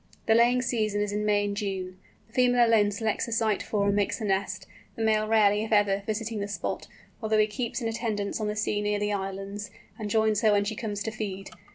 The laying season is in May and June. The female alone selects a site for and makes the nest, the male rarely, if ever, visiting the spot, although he keeps in attendance on the sea near the islands, and joins her when she comes to feed.